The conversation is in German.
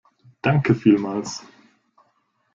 Danke vielmals!